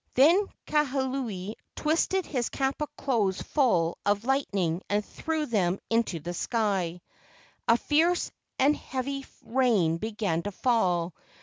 KE A U NINI 169 Then Kahuli twisted his kapa clothes full of lightning and threw them into the sky. A fierce and heavy rain began to fall.